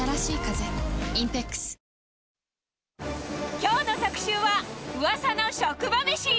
きょうの特集は、うわさの職場めし。